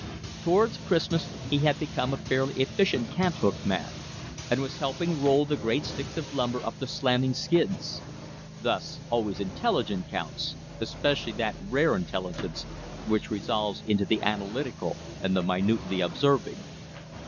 Towards Christmas he had become a fairly efficient cant hook man, and was helping roll the great sticks of timber up the slanting skids. Thus always intelligence counts, especially that rare intelligence which resolves into the analytical and the minutely observing.